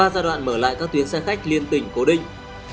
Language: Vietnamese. ba giai đoạn mở lại các tuyến xe khách liên tỉnh cố định